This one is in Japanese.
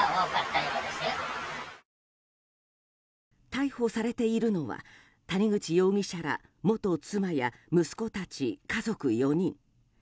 逮捕されているのは谷口容疑者ら元妻や息子たち家族４人。